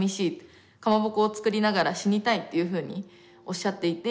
かまぼこを作りながら死にたい」っていうふうにおっしゃっていて。